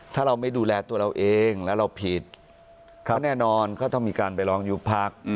ถ้าเราไม่ดูแลตัวเราเองแล้วเราผิดก็แน่นอนก็ต้องมีการไปร้องยุบพัก